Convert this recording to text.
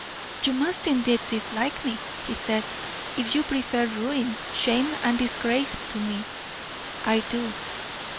"You must indeed dislike me," he said, "if you prefer ruin, shame and disgrace to me." "I do."